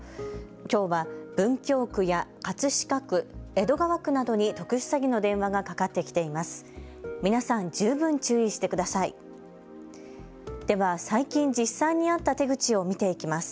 きょうは文京区や葛飾区、江戸川区などに特殊詐欺の電話がかかってきています。